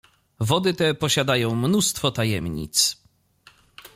"Wody te posiadają mnóstwo tajemnic."